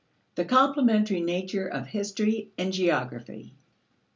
The Complementary Nature of History and Geography.